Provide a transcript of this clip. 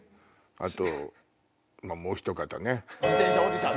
あとまぁもうひと方ね。